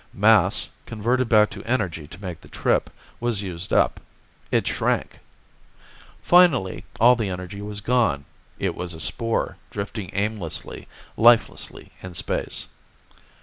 Mass, converted back to energy to make the trip, was used up. It shrank. Finally, all the energy was gone. It was a spore, drifting aimlessly, lifelessly, in space.